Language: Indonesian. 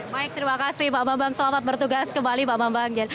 baik terima kasih mbak mbang selamat bertugas kembali mbak mbang